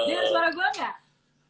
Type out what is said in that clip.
dengar suara gua gak